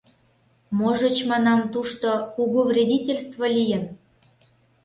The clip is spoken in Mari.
Можыч, манам, тушто кугу вредительстве лийын.